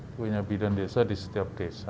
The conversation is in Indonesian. punya bidan desa di setiap desa